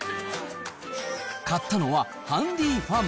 買ったのはハンディファン。